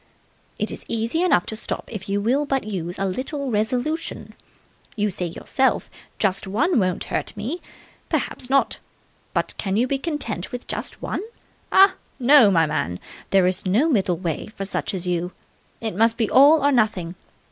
"It is easy enough to stop if you will but use a little resolution. You say to yourself, 'Just one won't hurt me!' Perhaps not. But can you be content with just one? Ah! No, my man, there is no middle way for such as you. It must be all or nothing.